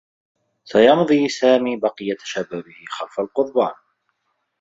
سيمضي سامي بقيّة شبابه خلف القضبان.